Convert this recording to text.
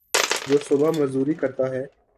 جو صبح مزدوری کرتا ہے